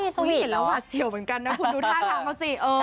เห็นแล้วหวาดเสียวเหมือนกันนะคุณดูท่าทางเขาสิ